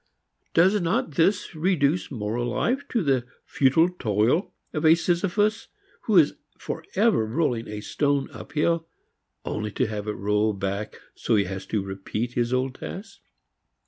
Does not this reduce moral life to the futile toil of a Sisyphus who is forever rolling a stone uphill only to have it roll back so that he has to repeat his old task?